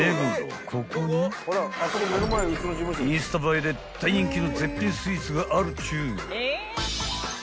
［ここにインスタ映えで大人気の絶品スイーツがあるっちゅう］